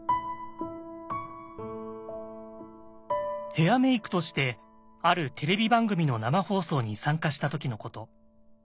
ヘアメイクとしてあるテレビ番組の生放送に参加した時のこと。